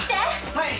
はい。